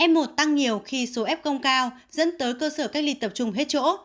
m một tăng nhiều khi số f cao dẫn tới cơ sở cách ly tập trung hết chỗ